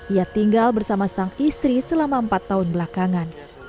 ia tinggal bersama sang istri selama empat tahun belakangan